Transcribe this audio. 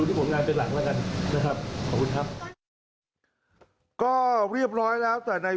แต่ในวินาที